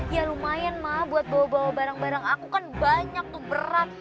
ya lumayan mah buat bawa bawa barang barang aku kan banyak tuh berat